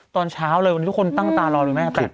ตอนเช้าเลยวันนี้ทุกคนตั้งตารออยู่ไหมฮะจิบตอน